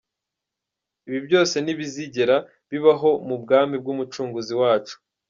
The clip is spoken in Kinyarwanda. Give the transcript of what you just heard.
Ibi byose ntibizigera bibaho mu bwami bw’Umucunguzi wacu.